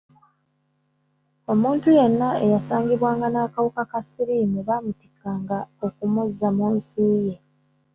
Omuntu yenna eyasangibwanga n'akawuka ka siriimu baamutikkanga okumuzza mu nsi ye.